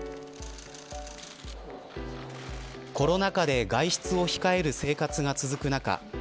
コロナ禍で外出を控える生活が続く中